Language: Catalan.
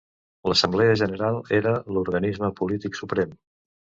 L'Assemblea General era l'organisme polític suprem.